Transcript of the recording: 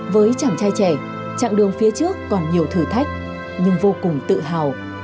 với chàng trai trẻ chặng đường phía trước còn nhiều thử thách nhưng vô cùng tự hào